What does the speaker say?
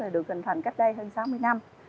được hình thành cách đây hơn sáu mươi năm